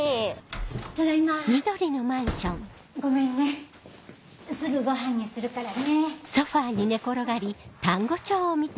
・ただいま・ごめんねすぐごはんにするからね。